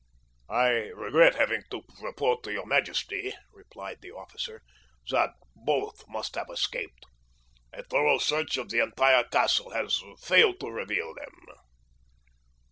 "I regret having to report to your majesty," replied the officer, "that both must have escaped. A thorough search of the entire castle has failed to reveal them."